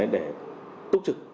để túc trực